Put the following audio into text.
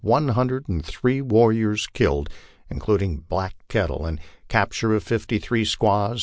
3>ne hundred and three warriors killed. Including Black Kettle, the capture of fifty three squaws ai.